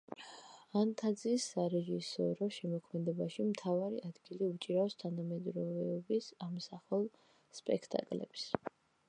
ანთაძის სარეჟისორო შემოქმედებაში მთავარი ადგილი უჭირავს თანამედროვეობის ამსახველ სპექტაკლებს.